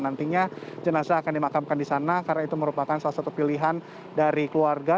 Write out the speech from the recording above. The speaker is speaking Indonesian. nantinya jenazah akan dimakamkan di sana karena itu merupakan salah satu pilihan dari keluarga